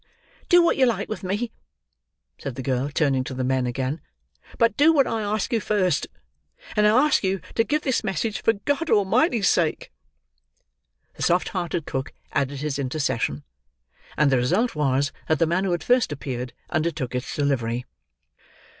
"Do what you like with me," said the girl, turning to the men again; "but do what I ask you first, and I ask you to give this message for God Almighty's sake." The soft hearted cook added his intercession, and the result was that the man who had first appeared undertook its delivery.